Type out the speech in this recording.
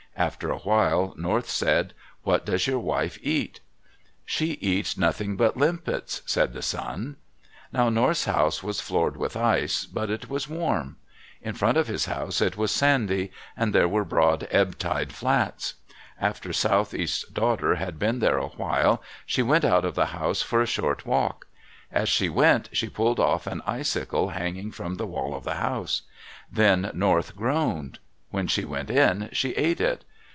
After a while, North said, "What does your wife eat?" "She eats nothing but limpets," said the son. Now North's house was floored with ice, but it was warm. In front of his house it was sandy, and there were broad ebb tide flats. After Southeast's daughter had been there a while, she went out of the house for a short walk. As she went, she pulled off an icicle hanging from the wall of the house. Then North groaned. When she went in, she ate it.